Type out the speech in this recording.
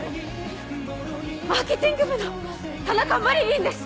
マーケティング部の田中麻理鈴です。